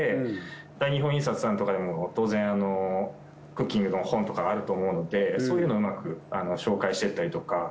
大日本印刷さんとかでも当然クッキングの本とかあると思うのでそういうのをうまく紹介してったりとか。